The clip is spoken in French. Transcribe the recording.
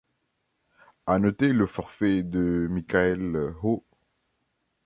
À noter le forfait de Michael Ho.